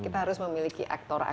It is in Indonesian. kita harus memiliki aktor